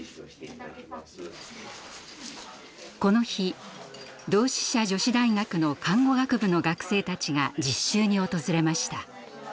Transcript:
この日同志社女子大学の看護学部の学生たちが実習に訪れました。